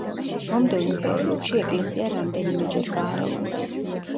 მომდევნო პერიოდში ეკლესია რამდენიმეჯერ გაარემონტეს.